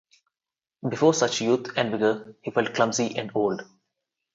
Before such youth and vigour he felt clumsy and old.